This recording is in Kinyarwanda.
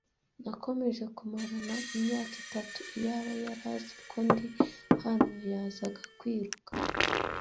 Nakomeje kumarana imyaka itatu. Iyaba yari azi ko ndi hano, yazaga kwiruka.